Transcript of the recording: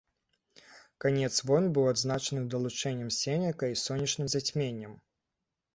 Канец войн быў адзначаны далучэннем сенека і сонечным зацьменнем.